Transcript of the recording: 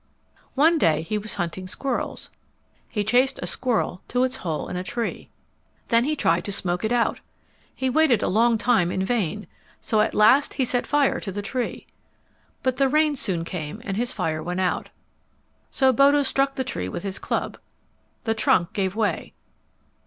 One day he was hunting squirrels. He chased a squirrel to its hole in a tree. Then he tried to smoke it out. He waited a long time in vain, so at last he set fire to the tree. But the rain soon came and his fire went out. So Bodo struck the tree with his club. The trunk gave way.